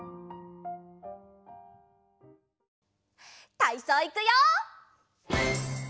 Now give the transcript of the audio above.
たいそういくよ！